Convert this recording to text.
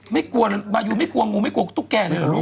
ไม่กลัวเลยมายูไม่กลัวงูไม่กลัวตุ๊กแกเลยเหรอลูก